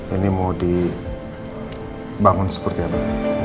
ini mau dibangun seperti apa